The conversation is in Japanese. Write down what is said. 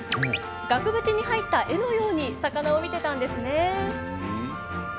額縁に入った絵のように魚を見てたんですね。